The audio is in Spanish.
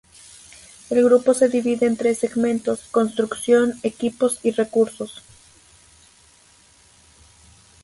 El Grupo se divide en tres segmentos: Construcción, Equipos y Recursos.